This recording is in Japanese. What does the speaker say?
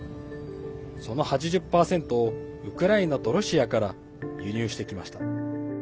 その８０％をウクライナとロシアから輸入してきました。